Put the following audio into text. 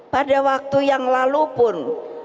pada waktu yang lalu pun